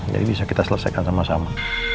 jadi bisa kita selesaikan sama sama